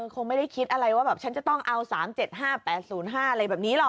คงไม่ได้คิดอะไรว่าแบบฉันจะต้องเอา๓๗๕๘๐๕อะไรแบบนี้หรอก